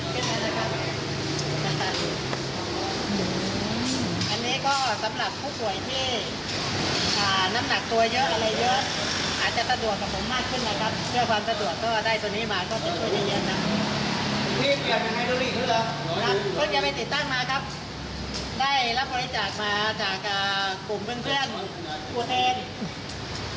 พี่สุวรรณชัดมาครับได้รับบริจาคมาจากกลุ่มเพื่อน